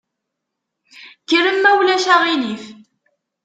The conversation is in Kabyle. Kkrem ma ulac aɣilif.